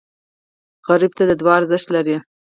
سوالګر ته دعا ارزښت لري